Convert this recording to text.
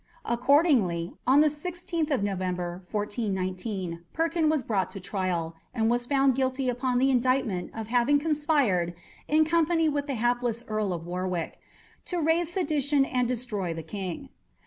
Accordingly, on the 16th November, 1419, Perkin was brought to trial, and was found guilty upon the indictment of having conspired, in company with the hapless Earl of Warwick, "to raise sedition and destroy the King."